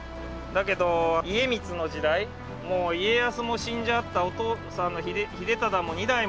だけど家光の時代家康も死んじゃったお父さんの秀忠も２代も死んだ。